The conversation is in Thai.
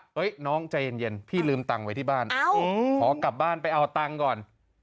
น้องใจเย็นพี่ลืมตังค์ไว้ที่บ้านขอกลับบ้านไปเอาตังค์ก่อน